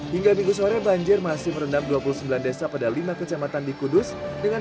hingga minggu sore banjir masih merendam dua puluh sembilan desa pada lima kecamatan di kudus dengan